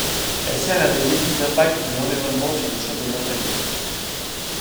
Elle sert à des études d’impact de l’environnement sur le choix des matériaux.